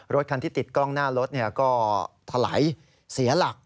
รถคันที่ติดกล้องหน้ารถเนี่ยก็ทะไหลเสียหลัก